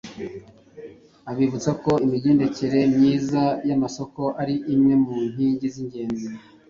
abibutsa ko imigendekere myiza y’amasoko ari imwe mu nkingi z’ngenzi